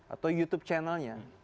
atau youtube channelnya